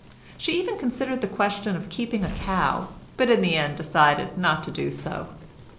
She even considered the question of keeping a cow, but in the end decided not to do so.